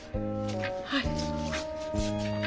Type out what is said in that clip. はい。